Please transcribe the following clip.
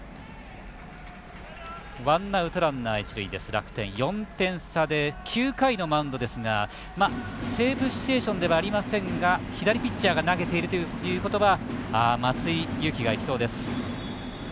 楽天、４点差で９回のマウンドですがセーブシチュエーションではありませんが左ピッチャーが投げているということは松井裕樹がいきそうです。